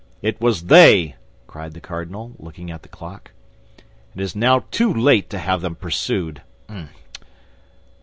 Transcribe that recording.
"It was they!" cried the cardinal, looking at the clock; "and now it is too late to have them pursued.